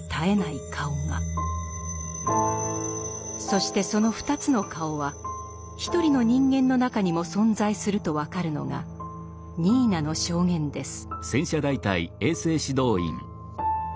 そしてその二つの顔は一人の人間の中にも存在すると分かるのがニーナの証言です。